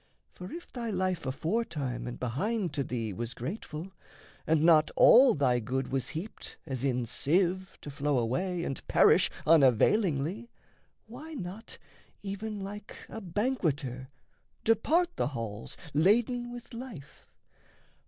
For if thy life aforetime and behind To thee was grateful, and not all thy good Was heaped as in sieve to flow away And perish unavailingly, why not, Even like a banqueter, depart the halls, Laden with life?